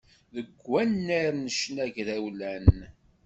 Deg wannar n ccna agrawlan.